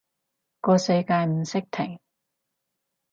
個世界唔識停